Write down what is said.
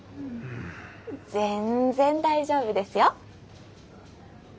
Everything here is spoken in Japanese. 全然大丈夫ですよ。